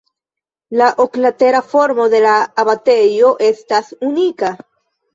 La oklatera formo de la abatejo estas unika.